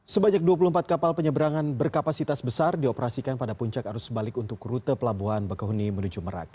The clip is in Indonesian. sebanyak dua puluh empat kapal penyeberangan berkapasitas besar dioperasikan pada puncak arus balik untuk rute pelabuhan bakauheni menuju merak